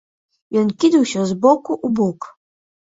Ён кідаўся з боку ў бок.